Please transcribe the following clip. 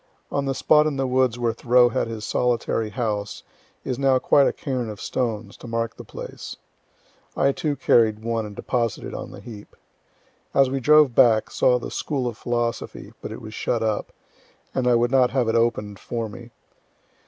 On the spot in the woods where Thoreau had his solitary house is now quite a cairn of stones, to mark the place; I too carried one and deposited on the heap. As we drove back, saw the "School of Philosophy," but it was shut up, and I would not have it open'd for me.